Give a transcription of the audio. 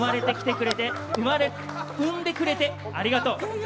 産んでくれてありがとう。